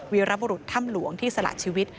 วิรัพธุ์ท่ำหลวงที่ใส่ที่สลาดชีวิต